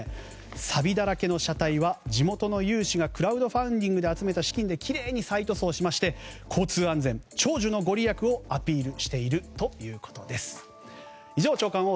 さびだらけの車体は地元の有志がクラウドファンディングで集めた資金で、きれいに再塗装しまして交通安全、長寿のご利益をアピールしているということです。